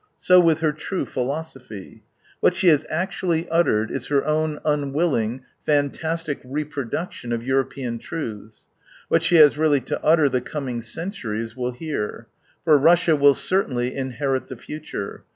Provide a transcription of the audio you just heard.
So with her true philosophy^. What she has actually uttered 8 is her own unwilling, fantastic reproduction of European truths. What she has really to utter the coming centuries will hear. For Russia uHll certainly inherit the future.